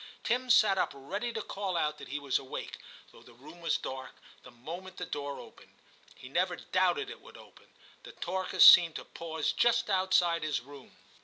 Tim sat up ready to call out that he was awake, though the room was dark, the moment the door opened ; he never doubted It would open. The talkers seemed to pause just outside his room.